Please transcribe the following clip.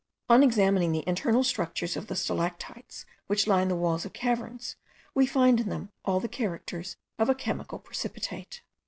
On examining the internal structure of the stalactites which line the walls of caverns, we find in them all the characters of a chemical precipitate.